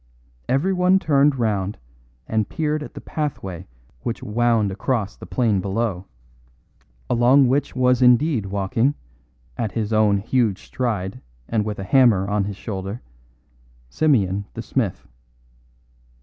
Everyone turned round and peered at the pathway which wound across the plain below, along which was indeed walking, at his own huge stride and with a hammer on his shoulder, Simeon the smith.